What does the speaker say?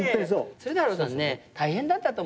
鶴太郎さん大変だったと思うよ。